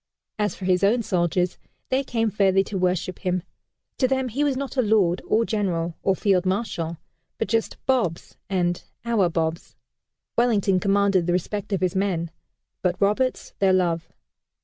As for his own soldiers, they came fairly to worship him. To them he was not a Lord, or General, or Field Marshal, but just "Bobs" and "Our Bobs." Wellington commanded the respect of his men, but Roberts their love.